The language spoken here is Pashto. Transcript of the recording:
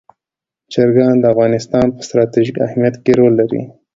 چرګان د افغانستان په ستراتیژیک اهمیت کې رول لري.